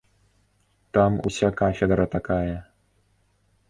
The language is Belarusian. Там уся кафедра такая.